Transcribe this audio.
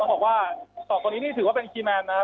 บอกว่าต่อตัวนี้นี่ถือว่าเป็นคีย์แมนนะครับ